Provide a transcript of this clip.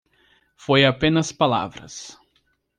Foi apenas palavras.